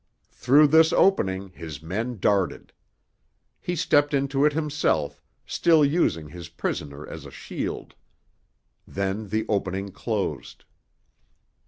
Through this opening his men darted. He stepped into it himself, still using his prisoner as a shield. Then the opening closed.